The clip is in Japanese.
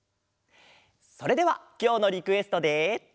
それではきょうのリクエストで。